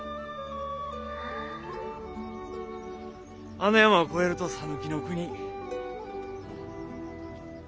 あの山を越えると讃岐国。